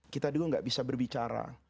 kita dulu gak bisa berbicara